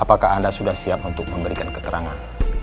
apakah anda sudah siap untuk memberikan keterangan